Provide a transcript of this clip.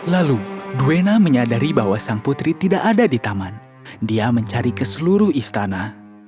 lalu duena menyadari bahwa sang putri tidak ada di taman dia mencari ke seluruh istana